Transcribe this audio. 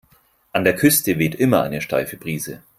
An der Küste weht immer eine steife Brise.